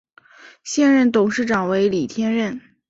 现任董事长为李天任。